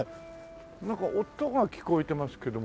なんか音が聞こえてますけども。